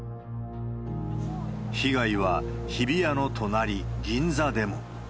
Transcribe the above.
被害は日比谷の隣、銀座でも。